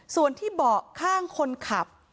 ส่วนที่เบาะข้างคนขับ